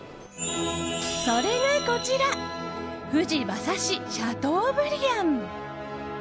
それが、こちらふじ馬刺しシャトーブリアン！